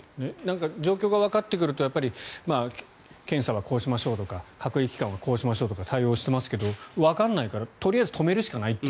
状況がわかってくると検査はこうしましょうとか隔離期間はこうしましょうとか対応していますがわからないから、とりあえず止めるしかないという。